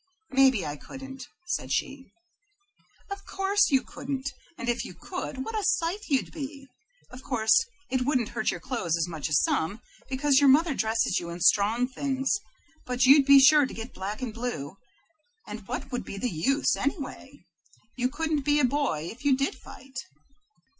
"Maybe I couldn't," said she. "Of course you couldn't, and if you could, what a sight you'd be. Of course it wouldn't hurt your clothes as much as some, because your mother dresses you in strong things, but you'd be sure to get black and blue, and what would be the use, anyway? You couldn't be a boy, if you did fight."